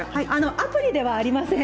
アプリではありません。